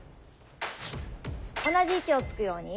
５同じ位置を突くように。